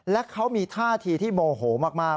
และเขามีท่าทีที่โมโหมาก